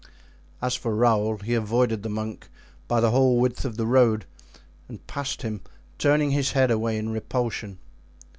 As for Raoul, he avoided the monk by the whole width of the road and passed him, turning his head away in repulsion.